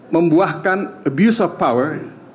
membuahkan abuse of power